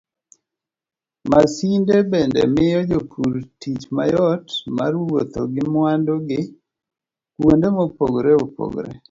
Masinde bende miyo jopur tich mayot mar wuotho gi mwandu gi kuonde mopogore opogore.